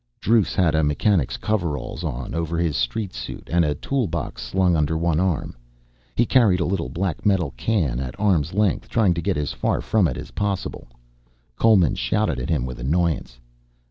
Druce had a mechanic's coveralls on over his street suit and a tool box slung under one arm. He carried a little black metal can at arm's length, trying to get as far from it as possible. Coleman shouted at him with annoyance.